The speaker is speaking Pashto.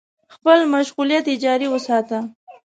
خپل مشغولیت يې جاري وساته.